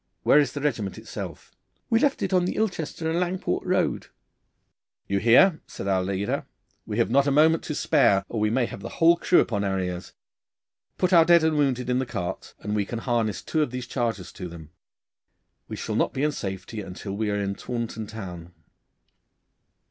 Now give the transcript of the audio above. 'Where is the regiment itself?' 'We left it on the Ilchester and Langport road.' 'You hear,' said our leader. 'We have not a moment to spare, or we may have the whole crew about our ears. Put our dead and wounded in the carts, and we can harness two of these chargers to them. We shall not be in safety until we are in Taunton town.